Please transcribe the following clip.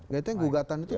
gitu yang gugatan itu